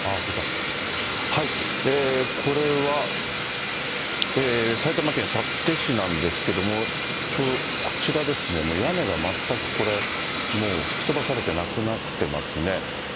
これは埼玉県幸手市なんですけれども、こちらですね、もう屋根が全くこれ、もう吹き飛ばされてなくなってますね。